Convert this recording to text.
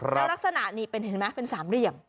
แล้วลักษณะนี่เป็นเห็นไหมเป็นสามเหลี่ยม